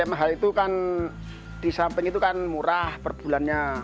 ya karena plpmh itu kan disamping itu kan murah per bulannya